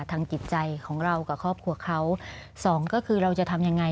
ทางจิตใจของเรากับครอบครัวเขาสองก็คือเราจะทำยังไง